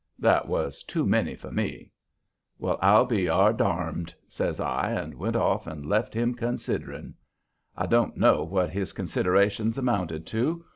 That was too many for me. "Well, I'll be yardarmed!" says I, and went off and left him "considering." I don't know what his considerations amounted to.